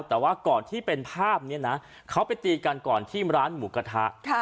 แต่ว่าก่อนที่เป็นภาพนี้นะเขาไปตีกันก่อนที่ร้านหมูกระทะ